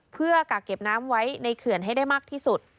เพื่อกักเก็บน้ำไว้ในเขื่อนให้ได้มากที่สุด